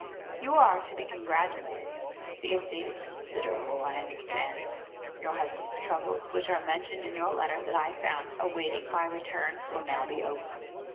"You are to be congratulated. The estate is considerable, I understand. Your husband's troubles which are mentioned in your letter that I found awaiting my return will now be over.